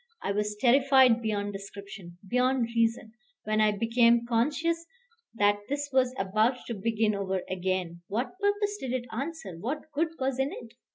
I was terrified beyond description, beyond reason, when I became conscious that this was about to begin over again: what purpose did it answer; what good was in it?